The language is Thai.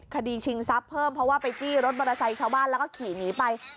ชิงทรัพย์เพิ่มเพราะว่าไปจี้รถมอเตอร์ไซค์ชาวบ้านแล้วก็ขี่หนีไป